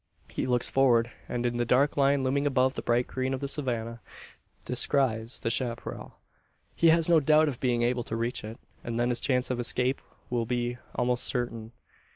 He looks forward, and, in the dark line looming above the bright green of the savannah, descries the chapparal. He has no doubt of being able to reach it, and then his chance of escape will be almost certain.